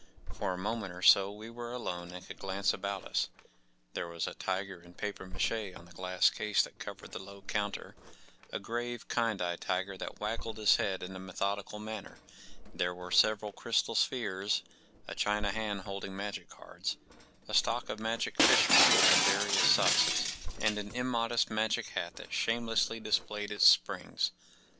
For a moment or so we were alone and could glance about us. There was a tiger in papier mache on the glass case that covered the low counter—a grave, kind eyed tiger that waggled his head in a methodical manner; there were several crystal spheres, a china hand holding magic cards, a stock of magic fish bowls in various sizes, and an immodest magic hat that shamelessly displayed its springs.